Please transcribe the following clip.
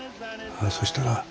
そしたら。